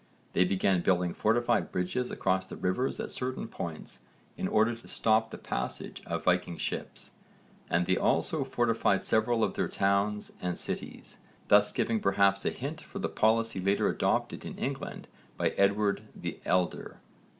They began building fortified bridges across the rivers at certain points in order to stop the passage of Viking ships, and they also fortified several of their towns and cities, thus giving perhaps a hint for the policy later adopted in England by Edward the Elder.